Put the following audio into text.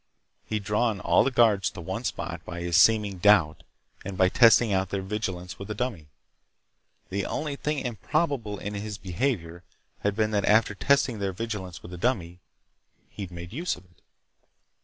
He'd drawn all the guards to one spot by his seeming doubt and by testing out their vigilance with a dummy. The only thing improbable in his behavior had been that after testing their vigilance with a dummy, he'd made use of it.